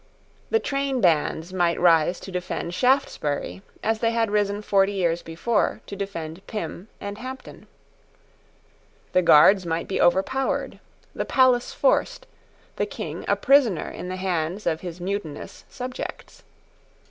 The trainbands might rise to defend Shaftesbury as they had risen forty years before to defend Pym and Hampden. The Guards might be overpowered, the palace forced, the King a prisoner in the hands of his mutinous subjects.